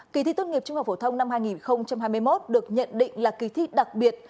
kỳ thi tốt nghiệp trung học phổ thông năm hai nghìn hai mươi một được nhận định là kỳ thi đặc biệt